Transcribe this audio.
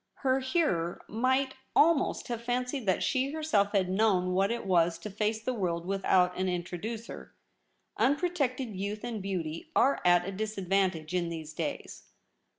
Her hearer might almost have fancied that she herself had known what it was to face the world without an introducer. ' Un protected youth and beauty are at a dis advantage in these days.